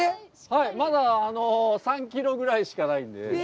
はい、まだ３キロぐらいしかないんで。